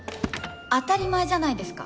当たり前じゃないですか。